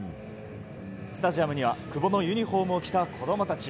スタジアムには久保のユニホームを着た子供たち。